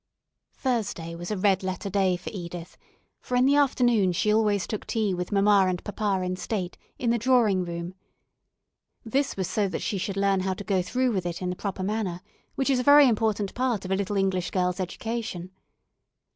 Thursday was a red letter day for Edith, for in the afternoon she always took tea with mamma and papa in state, in the drawing room. This was so that she should learn how to go through with it in the proper manner, which is a very important part of a little English girl's education.